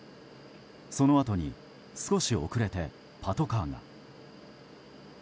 そのあとに少し遅れてパトカーが。